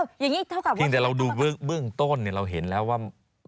เพียงแต่เรากดว่าเบื้องต้นเราเห็นแล้วว่า